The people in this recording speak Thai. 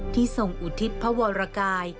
ที่ส่งอุทิศพระวรกาย